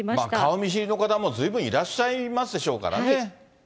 顔見知りの方もずいぶんいらっしゃいますでしょうからね。